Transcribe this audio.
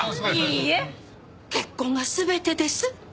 いいえ結婚が全てです。